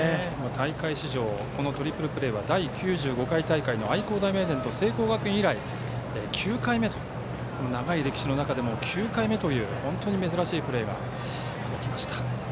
大会史上このトリプルプレーは第９５回大会の愛工大名電と聖光学院以来長い歴史の中でも９回目という本当に珍しいプレーが起きました。